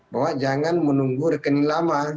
bahwa jangan menunggu rekening lama